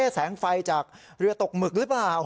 แสงไฟจากเรือตกหมึกหรือเปล่า